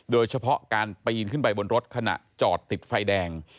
โดยเฉพาะการปีนขึ้นไปบนรถขณะจอดติดไฟแดง